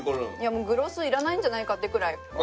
もうグロスいらないんじゃないかってくらい。